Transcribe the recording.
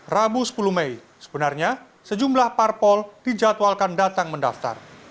rabu sepuluh mei sebenarnya sejumlah parpol dijadwalkan datang mendaftar